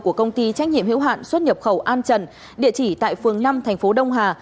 của công ty trách nhiệm hiệu hạn xuất nhập khẩu an trần địa chỉ tại phương năm tp đông hà